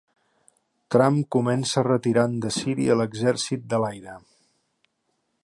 Trump comença retirant de Síria l'exèrcit de l'aire